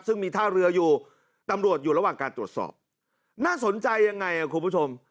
ซึ่งมีท่าเรืออยู่ตำรวจอยู่ระหว่างการตรวจสอบน่าสนใจยังไงอ่ะคุณผู้ชม